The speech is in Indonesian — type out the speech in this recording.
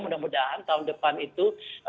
mudah mudahan tahun depan itu